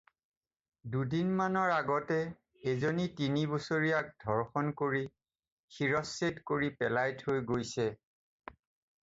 দুদিন মানৰ আগতে এজনী তিনিবছৰীয়াক ধৰ্ষণ কৰি শিৰচ্ছেদ কৰি পেলাই থৈ গৈছে।